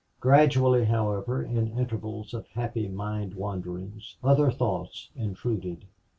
Gradually, however, in intervals of happy mind wanderings, other thoughts intruded.